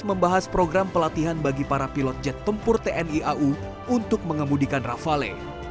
membahas program pelatihan bagi para pilot jet tempur tni au untuk mengemudikan rafale